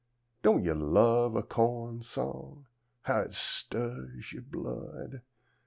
Don't yo' love a co'n song? How it stirs yo' blood!